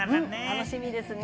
楽しみですね。